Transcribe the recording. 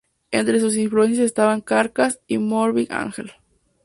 Entre sus influencias estaban Carcass y Morbid Angel.